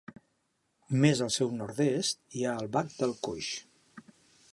Més al seu nord-est hi ha el Bac del Coix.